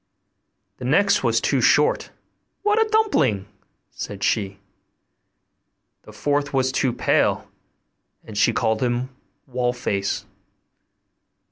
The next was too short: 'What a dumpling!' said she. The fourth was too pale, and she called him 'Wallface.